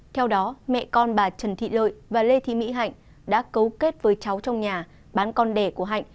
theo đó mẹ con bà trần thị lợi và lê thị mỹ hạnh đã cấu kết với cháu trong nhà bán con đẻ của hạnh